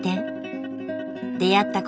出会った子